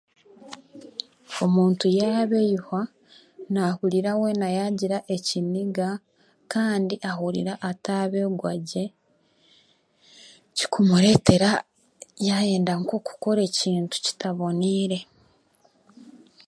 Omuntu yaabeihwa, naahurira weena yaagira ekiniga, kandi ahurira weena ataabeegwa gye, kimureetera yaayenda nk'okukora ekintu kitaboniire.